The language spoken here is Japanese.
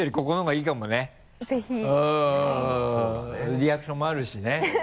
リアクションもあるしね。